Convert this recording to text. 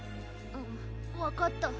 んっわかった。